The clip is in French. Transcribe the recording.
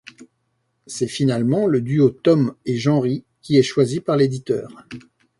C'est finalement le duo Tome et Janry qui est choisi par l'éditeur.